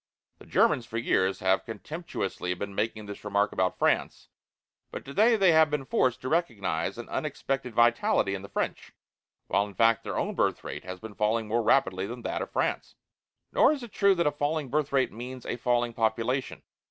The Germans for years have contemptuously been making this remark about France, but today they have been forced to recognize an unexpected vitality in the French, while, in fact, their own birth rate has been falling more rapidly than that of France. Nor is it true that a falling birth rate means a falling population.